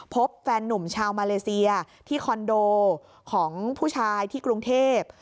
แฟนนุ่มชาวมาเลเซียที่คอนโดของผู้ชายที่กรุงเทพ